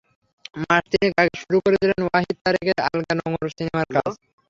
মাস তিনেক আগে শুরু করেছিলেন ওয়াহিদ তারেকের আলগা নোঙর সিনেমার কাজ।